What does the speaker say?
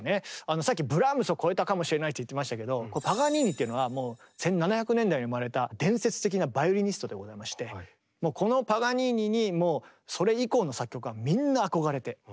さっき「ブラームスを超えたかもしれない」って言ってましたけどパガニーニっていうのはもう１７００年代に生まれたこのパガニーニにそれ以降の作曲家はみんな憧れて。